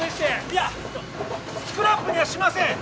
いやスクラップにはしません！